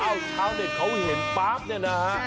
เอาชาวเด็ดเขาเห็นแป๊บเนี่ยนะ